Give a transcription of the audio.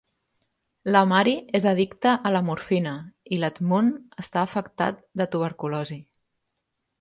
La Mary és addicta a la morfina i l'Edmund està afectat de tuberculosi.